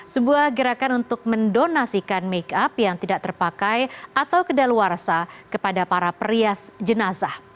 sebuah gerakan untuk mendonasikan make up yang tidak terpakai atau kedaluarsa kepada para perias jenazah